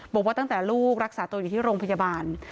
บอกว่าตั้งแต่ลูกรักษาตัวอยู่ที่โรงพยาบาล